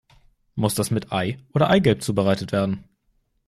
Muss das mit Ei oder Eigelb zubereitet werden?